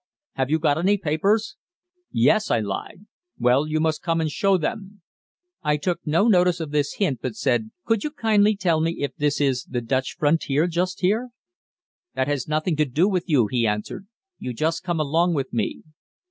"Have you got any papers?" "Yes," I lied. "Well, you must come and show them." I took no notice of this hint, but said, "Could you kindly tell me if this is the Dutch frontier just here?" "That has nothing to do with you," he answered; "you just come along with me."